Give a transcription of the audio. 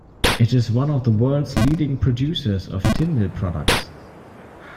It is one of the world's leading producers of tin mill products.